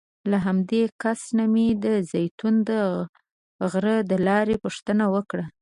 له همدې کس نه مې د زیتون د غره د لارې پوښتنه وکړه.